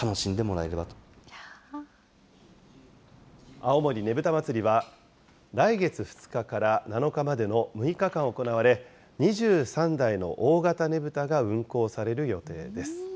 青森ねぶた祭は、来月２日から７日までの６日間行われ、２３台の大型ねぶたが運行される予定です。